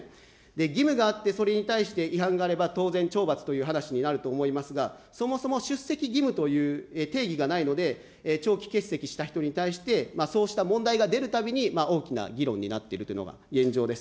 義務があって、それに対して違反があれば、当然懲罰という話になると思いますが、そもそも出席義務という定義がないので、長期欠席した人に対して、そうした問題が出るたびに、大きな議論になっているというのが現状です。